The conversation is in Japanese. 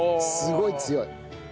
すごい強い。